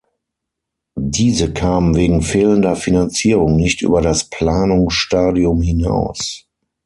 Diese kamen wegen fehlender Finanzierung nicht über das Planungsstadium hinaus.